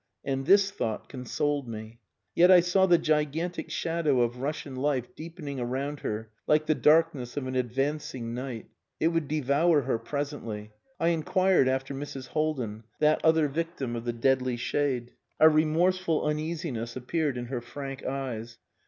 And this thought consoled me. Yet I saw the gigantic shadow of Russian life deepening around her like the darkness of an advancing night. It would devour her presently. I inquired after Mrs. Haldin that other victim of the deadly shade. A remorseful uneasiness appeared in her frank eyes.